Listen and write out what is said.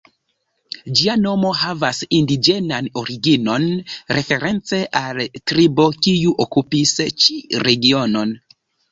Ĝia nomo havas indiĝenan originon, reference al tribo kiu okupis ĉi regionon.